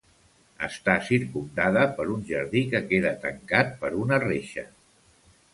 Està circumdada per un jardí que queda tancat per una reixa.